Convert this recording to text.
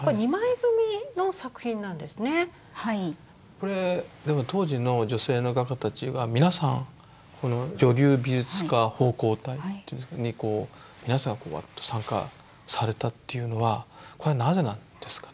これでも当時の女性の画家たちは皆さん女流美術家奉公隊に皆さんわっと参加されたっていうのはこれはなぜなんですかね？